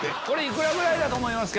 幾らぐらいだと思いますか？